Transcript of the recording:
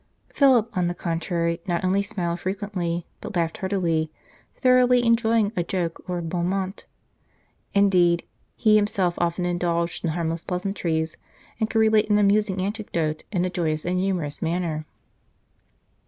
Philip, on the contrary, not only smiled frequently, but laughed heartily, thoroughly enjoying a joke or a bon mot. Indeed, he himself often indulged in harmless pleasantries, and could relate an amusing anecdote in a joyous and humorous manner.